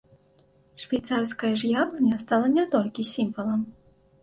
Швейцарская ж яблыня стала не толькі сімвалам.